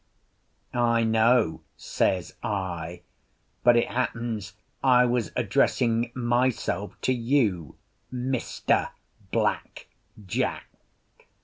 "I know," says I, "but it happens I was addressing myself to you, Mr. Black Jack.